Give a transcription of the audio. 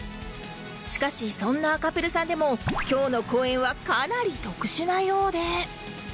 しかしそんな赤プルさんでも今日の講演はかなり特殊なようで